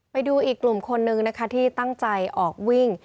ไปดูอีกกลุ่มคนนึงนะคะที่ตั้งใจออกวิ่ง